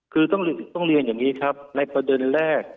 คือต้องเรียนอย่างนี้ครับในประเด็นแรก